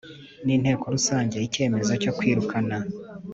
n inteko Rusange Icyemezo cyo kwirukana